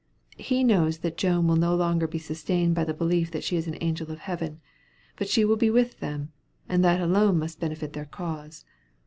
He knows that Joan will no longer be sustained by the belief that she is an agent of heaven; but she will be with them, and that alone must benefit their cause.